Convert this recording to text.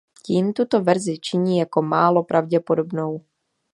Tím tuto verzi činí jako málo pravděpodobnou.